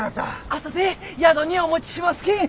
後で宿にお持ちしますけん。